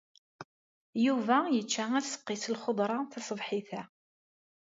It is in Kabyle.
Yuba yečča aseqqi s lxeḍra taṣebḥit-a.